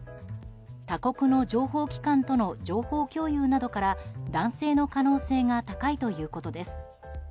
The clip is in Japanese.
他国の情報機関との情報共有などから男性の可能性が高いということです。